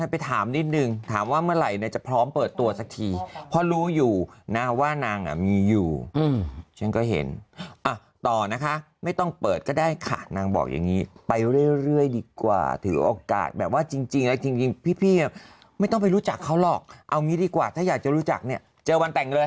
ไปถามนิดนึงถามว่าเมื่อไหร่เนี่ยจะพร้อมเปิดตัวสักทีเพราะรู้อยู่นะว่านางอ่ะมีอยู่ฉันก็เห็นต่อนะคะไม่ต้องเปิดก็ได้ค่ะนางบอกอย่างนี้ไปเรื่อยดีกว่าถือโอกาสแบบว่าจริงแล้วจริงพี่ไม่ต้องไปรู้จักเขาหรอกเอางี้ดีกว่าถ้าอยากจะรู้จักเนี่ยเจอวันแต่งเลย